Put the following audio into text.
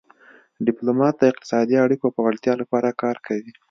ډیپلومات د اقتصادي اړیکو پیاوړتیا لپاره کار کوي